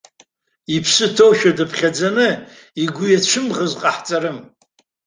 Иԥсы ҭоушәа дыԥхьаӡаны, игәы иацәымӷыз ҟаҳҵарым.